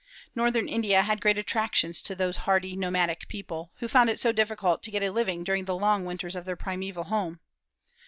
Northern India had great attractions to those hardy nomadic people, who found it so difficult to get a living during the long winters of their primeval home.